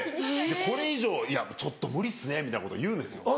「これ以上ちょっと無理っすね」みたいなこと言うんですよ。